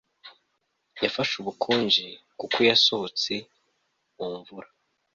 yafashe ubukonje kuko yasohotse mu mvura